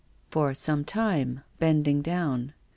" For some time, bending down.